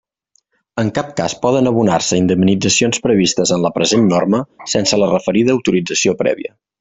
En cap cas poden abonar-se indemnitzacions previstes en la present norma sense la referida autorització prèvia.